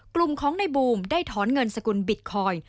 กลุ่มของในบูมได้ถอนเงินสกุลบิตคอยน์